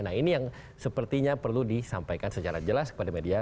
nah ini yang sepertinya perlu disampaikan secara jelas kepada media